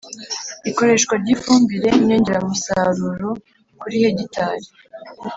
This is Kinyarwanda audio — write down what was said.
ikoreshwa ry'ifumbire nyongeramusaruro kuri hegitare